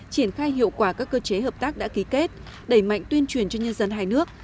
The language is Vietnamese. triển khai hiệu quả các cơ chế hợp tác đã ký kết đẩy mạnh tuyên truyền cho nhân dân hai nước